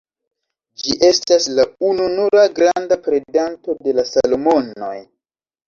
Ĝi estas la ununura granda predanto de la Salomonoj.